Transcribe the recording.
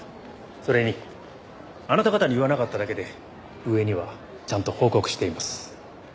それにあなた方に言わなかっただけで上にはちゃんと報告しています。